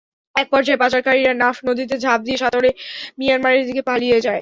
একপর্যায়ে পাচারকারীরা নাফ নদীতে ঝাঁপ দিয়ে সাঁতরে মিয়ানমারের দিকে পালিয়ে যায়।